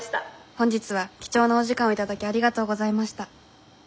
本日は貴重なお時間を頂きありがとうございました。